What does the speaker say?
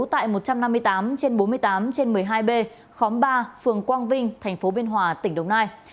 tại một trăm năm mươi tám trên bốn mươi tám trên một mươi hai b khóm ba phường quang vinh tp biên hòa tỉnh đồng nai